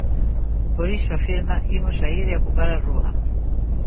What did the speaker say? Por iso, afirma, "imos saír e ocupar a rúa".